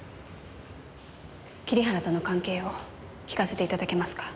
桐原との関係を聞かせて頂けますか？